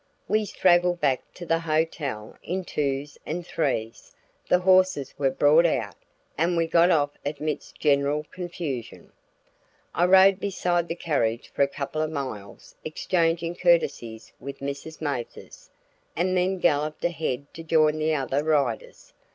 We straggled back to the hotel in twos and threes; the horses were brought out, and we got off amidst general confusion. I rode beside the carriage for a couple of miles exchanging courtesies with Mrs. Mathers, and then galloped ahead to join the other riders.